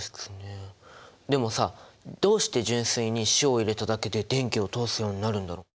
でもさどうして純水に塩を入れただけで電気を通すようになるんだろう？